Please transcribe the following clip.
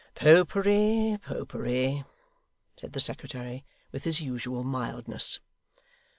'Popery, Popery,' said the secretary with his usual mildness.